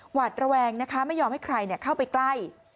หวาดระแวงนะคะไม่ยอมให้ใครเข้าไปใกล้